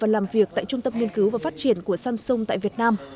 làm việc tại trung tâm nghiên cứu và phát triển của samsung tại việt nam